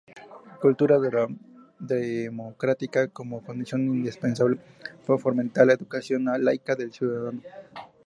Cultura democrática: como condición indispensable para fomentar la educación laica del ciudadano.